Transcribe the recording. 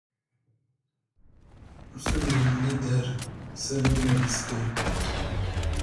ⵓⵔ ⵙⵓⵍ ⵉⵍⵍⵉ ⴷⴰⵔ ⵙⴰⵎⵉ ⵎⴰⴷ ⵉⵙⴽⴰⵔ.